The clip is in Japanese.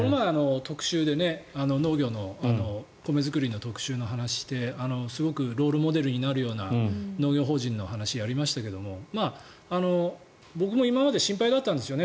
この前、農業の米作りの特集をしてすごくロールモデルになるような農業法人の話やりましたが僕も今まで心配だったんですよね。